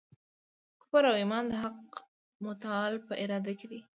کفر او ایمان د حق متعال په اراده کي دی.